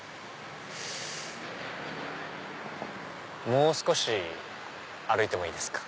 もう少し歩いてもいいですか？